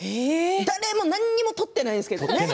誰も何も撮ってないんですけれどね。